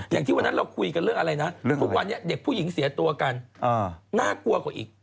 อย่างที่วันนั้นเราคุยกันเรื่องอะไรนะทุกวันนี้เด็กผู้หญิงเสียตัวกันน่ากลัวกว่าอีก